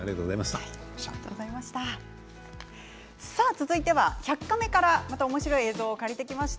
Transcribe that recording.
続いては「１００カメ」からおもしろい映像をお借りしてきました。